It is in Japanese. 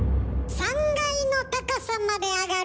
３階の高さまで上がる。